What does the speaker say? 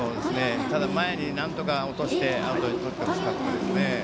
ただ前になんとか落としてアウトにとってほしかったです。